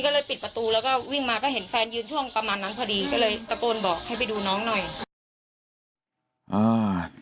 ก็เลยตะโกนบอกให้ไปดูน้องหน่อย